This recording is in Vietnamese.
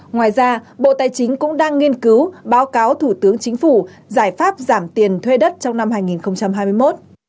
ngoài ra bộ tài chính cũng đang nghiên cứu báo cáo thủ tướng chính phủ giải pháp giảm tiền thuê đất trong năm hai nghìn hai mươi một